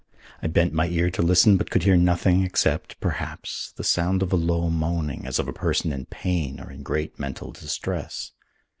I bent my ear to listen, but could hear nothing except, perhaps, the sound of a low moaning as of a person in pain or in great mental distress.